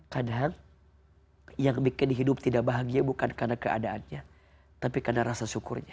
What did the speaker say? kadang yang bikin hidup tidak bahagia bukan karena keadaannya tapi karena rasa syukurnya